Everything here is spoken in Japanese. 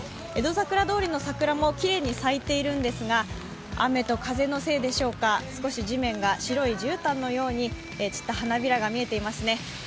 江戸桜通りの桜もきれいに咲いているんですが、雨と風のせいでしょうか、少し地面が白いじゅうたんのように散った花びらが見えていますね。